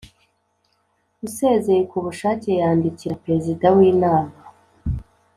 Usezeye ku bushake yandikira perezida w Inama